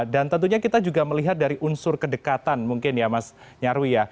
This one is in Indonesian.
dan tentunya kita juga melihat dari unsur kedekatan mungkin ya mas nyarwi ya